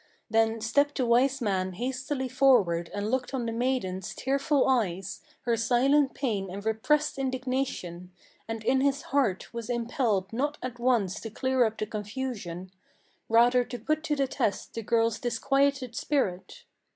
Then stepped the wise man hastily forward and looked on the maiden's Tearful eyes, her silent pain and repressed indignation, And in his heart was impelled not at once to clear up the confusion, Rather to put to the test the girl's disquieted spirit.